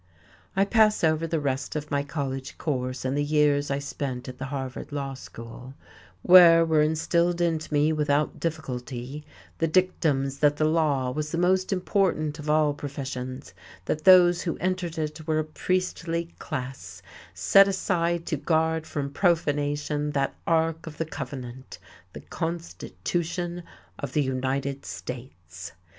I pass over the rest of my college course, and the years I spent at the Harvard Law School, where were instilled into me without difficulty the dictums that the law was the most important of all professions, that those who entered it were a priestly class set aside to guard from profanation that Ark of the Covenant, the Constitution of the United States.